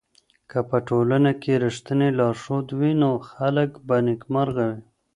که په ټولنه کي رښتينی لارښود وي نو خلګ به نېکمرغه وي.